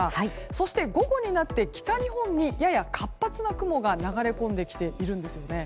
そして午後になって北日本にやや活発な雲が流れ込んできているんですよね。